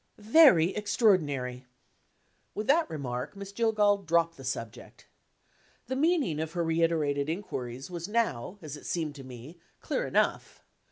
"Very extraordinary!" With that remark, Miss Jillgall dropped the subject. The meaning of her reiterated inquiries was now, as it seemed to me, clear enough.